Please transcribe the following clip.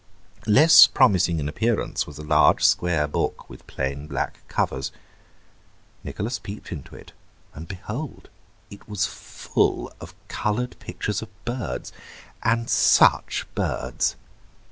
Less promising in appearance was a large square book with plain black covers; Nicholas peeped into it, and, behold, it was full of coloured pictures of birds. And such birds!